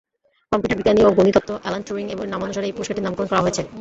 Computer বিজ্ঞানী ও গণিতজ্ঞ অ্যালান টুরিং-এর নামানুসারে এই পুরস্কারটির নামকরণ করা হয়েছে।